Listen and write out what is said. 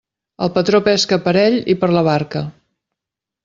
El patró pesca per ell i per la barca.